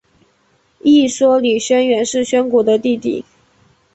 一说李宣远是宣古的弟弟。